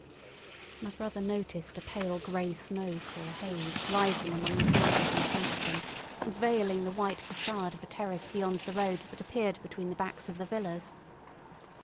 My brother noticed a pale grey smoke or haze rising among the houses in front of them, and veiling the white façade of a terrace beyond the road that appeared between the backs of the villas.